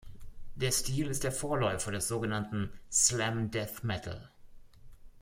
Der Stil ist der Vorläufer des sogenannten Slam Death Metal.